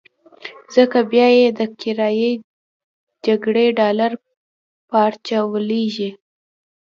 ځکه بيا یې د کرايي جګړې ډالر پارچاوېږي.